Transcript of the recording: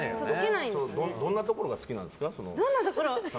どんなところが好きなんですか？